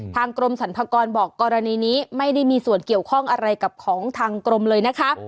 กรมสรรพากรบอกกรณีนี้ไม่ได้มีส่วนเกี่ยวข้องอะไรกับของทางกรมเลยนะคะ